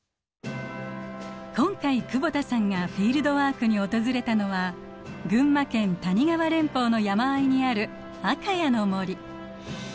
今回久保田さんがフィールドワークに訪れたのは群馬県谷川連峰の山あいにある赤谷の森。